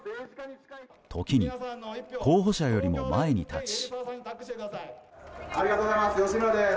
時に、候補者よりも前に立ち。